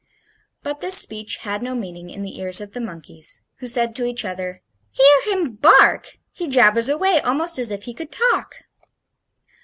But this speech had no meaning in the ears of the monkeys, who said to each other: "Hear him bark! He jabbers away almost as if he could talk!"